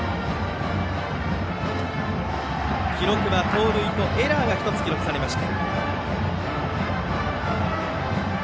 盗塁とエラーが１つ記録されました。